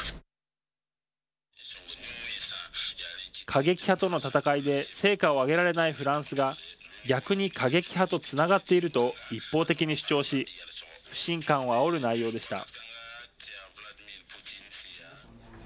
過激派との戦いで成果を挙げられないフランスが逆に過激派とつながっていると一方的に主張し不信感をあおる内容でした。